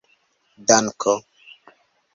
danko